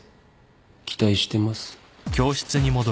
期待してます。